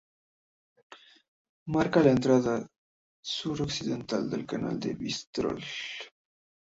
Marca la entrada suroccidental del canal de Bristol.